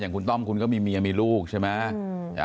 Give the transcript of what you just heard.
อย่างคุณต้อมนะครับคุณก็มีเมียมีลูกใช่ไหม